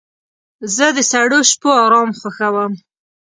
زه د سړو شپو آرام خوښوم.